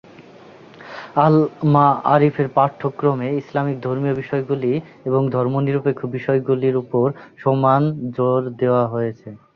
আল-মাআরিফের পাঠ্যক্রমে ইসলামিক ধর্মীয় বিষয়গুলি এবং ধর্মনিরপেক্ষ বিষয়গুলির উপর সমান জোর দেওয়া হয়েছে।